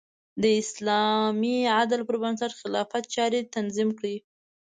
د اسلامي عدل پر بنسټ خلافت چارې تنظیم کړې.